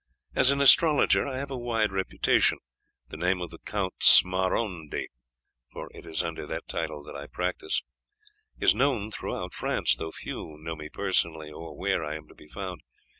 "'As an astrologer I have a wide reputation. The name of the Count Smarondi for it is under that title that I practise is known throughout France, though few know me personally or where I am to be found.